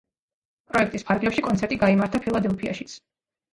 პროექტის ფარგლებში, კონცერტი გაიმართა ფილადელფიაშიც.